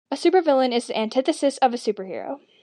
A supervillain is the antithesis of a superhero.